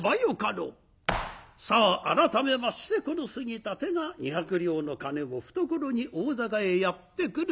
さあ改めましてこの杉立が２００両の金を懐に大坂へやって来る。